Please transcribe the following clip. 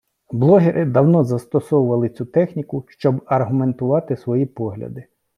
Блогери давно застосовували цю техніку, щоб аргументувати свої погляди.